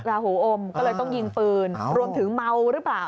ราหูอมก็เลยต้องยิงปืนรวมถึงเมาหรือเปล่า